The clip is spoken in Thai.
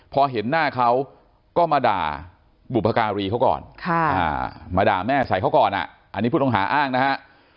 พอเห็นหน้าเขาก็มาด่าบุพการีเขาก่อนมาด่าแม่ใส่เขาก่อนอันนี้ผู้ต้องหาอ้างนะฮะ